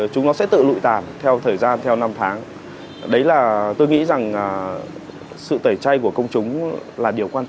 cũng sẽ bị công chúng quay lực